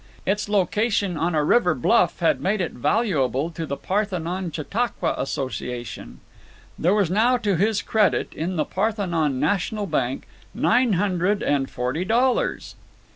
Its location on a river bluff had made it valuable to the Parthenon Chautauqua Association. There was now to his credit in the Parthenon National Bank nine hundred and forty dollars!